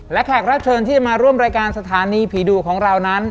และแขกรับเชิญที่จะมาร่วมรายการสถานีผีดุของเรานั้น